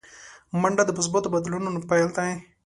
منډه د مثبتو بدلونونو پیل دی